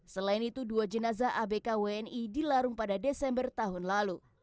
selain itu dua jenazah abk wni dilarung pada desember tahun lalu